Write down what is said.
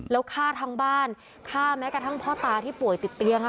แล้วฆ่าทั้งบ้านฆ่าแม้กระทั่งพ่อตาที่ป่วยติดเตียง